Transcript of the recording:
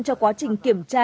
cho quá trình kiểm tra